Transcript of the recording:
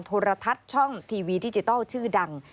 โทรทัศน์ช่องทีวีดิจิทัลชื่อดัง